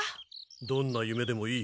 どんなゆめでもいい。